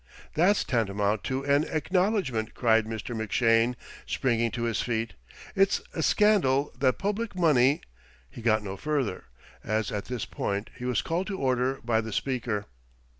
"That's tantamount to an acknowledgment," cried Mr. McShane, springing to his feet. "It's a scandal that public money " He got no further, as at this point he was called to order by the Speaker.